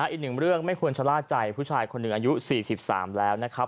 อีกหนึ่งเรื่องไม่ควรชะล่าใจผู้ชายคนหนึ่งอายุ๔๓แล้วนะครับ